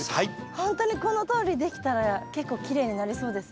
ほんとにこのとおりできたら結構きれいになりそうですね。